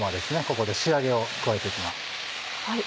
ここで仕上げを加えて行きます。